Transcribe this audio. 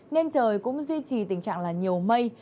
nên trời cũng duy trì tình trạng là nhiều mây